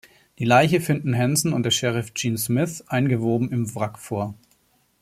Die Leiche finden Hansen und der Sheriff Gene Smith eingewoben im Wrack vor.